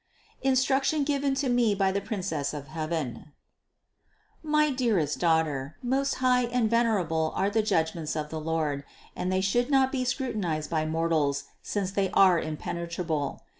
INSTRUCTION GIVEN TO ME BY THE PRINCESS OF HEAVEN. 752. My dearest daughter, most high and venerable are the judgments of the Lord, and they should not be 574 CITY OF GOD scrutinized by mortals, since they are impenetrable.